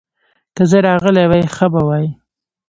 که زه راغلی وای، ښه به وای.